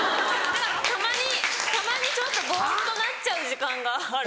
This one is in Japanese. たまにたまにちょっとぼっとなっちゃう時間がある。